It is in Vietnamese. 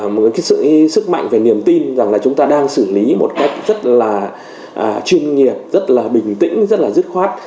một cái sự sức mạnh về niềm tin rằng là chúng ta đang xử lý một cách rất là chuyên nghiệp rất là bình tĩnh rất là dứt khoát